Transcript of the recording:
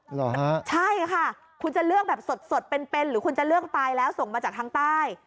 เหรอใช่ค่ะคุณจะเลือกแบบสดเป็นหรือคุณจะเลือกตายแล้วส่งมาจากทางใต้